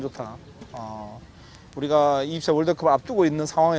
jadi saya sangat tidak senang